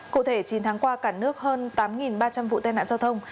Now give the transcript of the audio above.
cụ thể chín tháng qua cả nước hơn tám ba trăm linh vụ tai nạn giao thông